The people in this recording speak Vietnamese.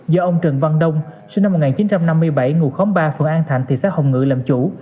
do ông trần văn đông sinh năm một nghìn chín trăm năm mươi bảy ngụ khóm ba phường an thạnh thị xã hồng ngự làm chủ